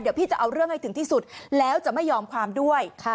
เดี๋ยวพี่จะเอาเรื่องให้ถึงที่สุดแล้วจะไม่ยอมความด้วย